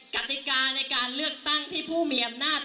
กติกาในการเลือกตั้งที่ผู้มีอำนาจ